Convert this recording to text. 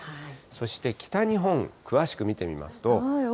そして北日本、詳しく見てみますと。